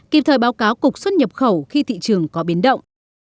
kịp thời báo cáo cục xuất nhập khẩu khi thị trường có biến động